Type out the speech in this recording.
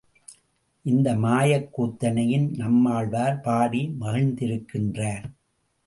இந்த மாயக்கூத்தனையும் நம்மாழ்வார் பாடி மகிழ்ந்திருக்கின்றார்.